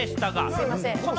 すみません。